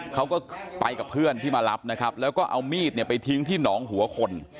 เขาก็ไปกับเพื่อนที่มารับนะครับแล้วก็เอามีดเนี่ยไปทิ้งที่หนองหัวคน